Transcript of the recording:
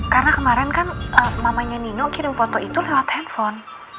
karena kemarin kan mamanya nino kirim foto itu lewat handphone